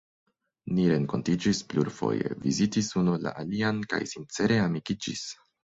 Ni renkontiĝis plurfoje, vizitis unu la alian kaj sincere amikiĝis.